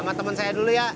mas sama temen saya dulu ya